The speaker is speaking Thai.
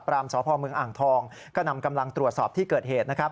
ปรามสภอมืองอ่างทองก็นำกำลังตรวจสอบที่เกิดเหตุ